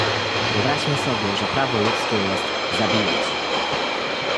"Wyobraźmy sobie, że prawo ludzkie jest: zabijać!"